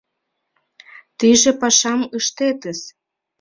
— Тыйже пашам ыштетыс.